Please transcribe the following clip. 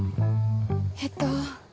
えっと